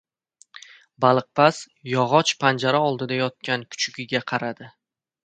Baliqpaz yog‘och panjara oldida yotgan kuchugiga qaradi.